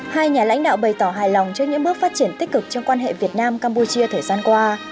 hai nhà lãnh đạo bày tỏ hài lòng trước những bước phát triển tích cực trong quan hệ việt nam campuchia thời gian qua